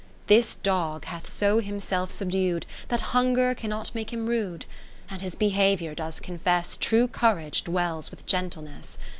This dog hath so himself subdu'd, That hunger cannot make him rude : And his behaviour does confess True courage dwells with gentleness.